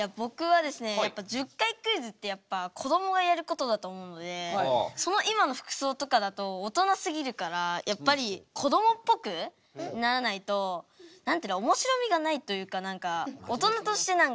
僕は１０回クイズってやっぱこどもがやることだと思うのでその今の服装とかだと大人すぎるからやっぱりこどもっぽくならないとおもしろみがないというか何か大人として何か恥っていうのが。